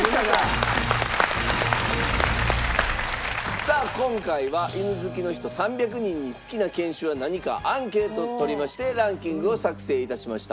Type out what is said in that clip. さあ今回は犬好きの人３００人に好きな犬種は何かアンケートを取りましてランキングを作成致しました。